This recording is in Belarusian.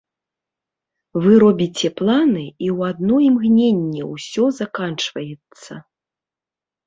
Вы робіце планы, і ў адно імгненне ўсё заканчваецца.